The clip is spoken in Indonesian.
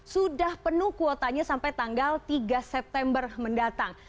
sudah penuh kuotanya sampai tanggal tiga september mendatang